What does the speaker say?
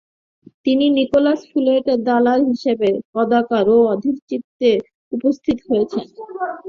তিনি নিকোলাস ফ্যুয়েটের দালার হিসাবে কদাকার ও অধীরচিত্তে উপস্থিত হয়েছেন।